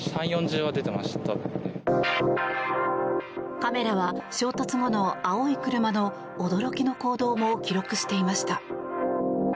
カメラは、衝突後の青い車の驚きの行動も記録していました。